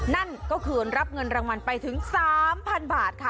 นั่นก็คือรับเงินรางวัลไปถึง๓๐๐๐บาทค่ะ